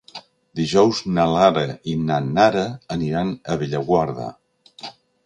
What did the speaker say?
Dijous na Lara i na Nara aniran a Bellaguarda.